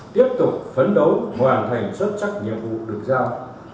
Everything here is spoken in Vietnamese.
tiếp tục phấn đấu hoàn thành xuất sắc nhiệm vụ được giao